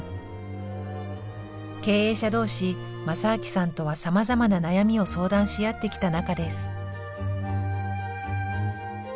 経営者同士昌明さんとはさまざまな悩みを相談し合ってきた仲です。